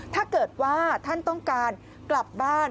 ถ้าเกิดว่าท่านต้องการกลับบ้าน